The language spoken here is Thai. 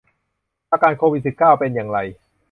อาการโควิด สิบเก้า เป็นอย่างไร